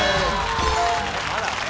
まだね。